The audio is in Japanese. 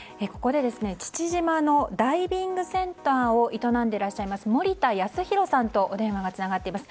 父島のダイビングセンターを営んでいらっしゃいます森田康弘さんとお電話がつながっております。